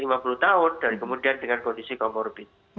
dan kemudian dengan kondisi comorbid